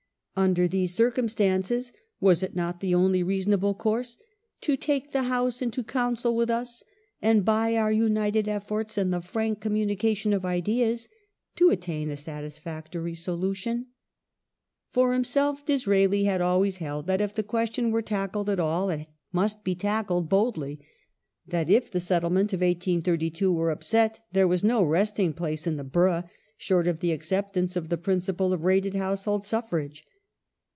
Under these circumstances was it not the only reasonable course " to take the House into council with us and, by our united effi^rts and the frank communication of ideas, to attain a satisfactory solution "?^ For himself Disraeli had always held that if the question were tackled at all it must be tackled boldly : that if the settlement of 1832 were upset there was no resting place, in the boroughs, short of the acceptance of " the principle of rated household suffrage